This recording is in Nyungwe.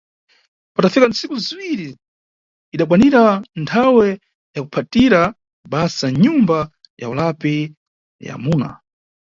Patafika ntsiku ziwiri idandikwanira nthawe ya kuphatira basa mnyumba ya ulapi ya amuna.